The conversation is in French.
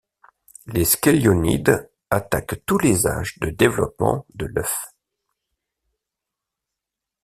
Les Scelionides attaquent tous les âges de développement de l'œuf.